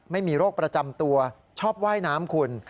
ไม่มีโรคประจำตัวชอบว่ายน้ำคุณ